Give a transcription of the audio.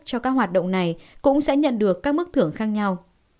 cho các hoạt động này cũng sẽ nhận được các mức thưởng khác nhau